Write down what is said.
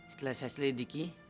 setelah saya selidiki